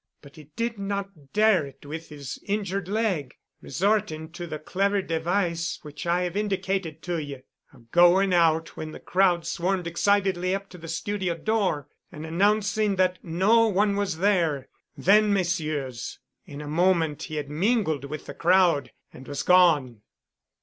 But he did not dare it with his injured leg, resorting to the clever device which I have indicated to you, of going out when the crowd swarmed excitedly up to the studio door, and announcing that no one was there. Then, Messieurs, in a moment he had mingled with the crowd and was gone."